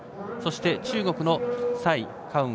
そして、中国の蔡佳